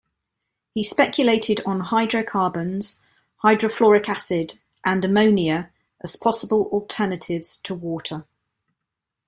He speculated on hydrocarbons, hydrofluoric acid, and ammonia as possible alternatives to water.